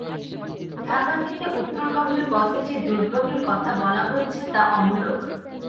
ঢাকা থেকে উত্তরবঙ্গের পথে যে দুর্ভোগের কথা বলা হয়েছে, তা অমূলক।